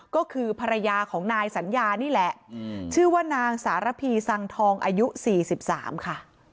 ก็คือภรรยาของนายสัญญานี่แหละชื่อว่านางสารพีสังทองอายุ๔๓ค่ะ